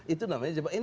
itu namanya jebakan